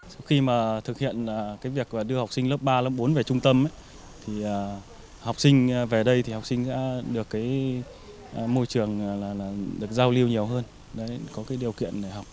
sau khi thực hiện việc đưa học sinh lớp ba lớp bốn về trung tâm học sinh về đây thì học sinh đã được môi trường giao lưu nhiều hơn